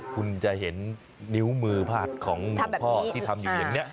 คุณจะเห็นนิ้วมือพาดของหลวงพ่อที่ทำอยู่อย่างนี้